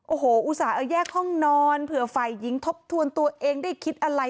โอ้โหอุตส่าห์เอาแยกห้องนอนเผื่อฝ่ายหญิงทบทวนตัวเองได้คิดอะไร